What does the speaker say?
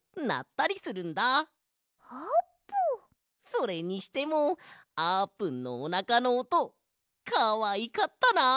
それにしてもあーぷんのおなかのおとかわいかったなあ。